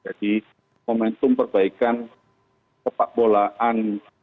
jadi momentum perbaikan kepakbolaan